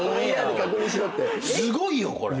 すごいよこれ。